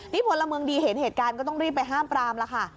นี่พลเมืองดีเห็นเหตุการณ์ก็ต้องรีบไปห้ามปรามแล้วค่ะ